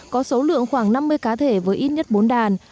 có số lượng khoảng năm mươi cá thể với ít nhất bốn đàn